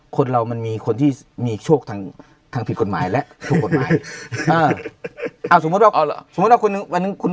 คนเรามันมีคนที่มีโชคทางผิดกฎหมายและสมมุติว่าคุณคุณคุณ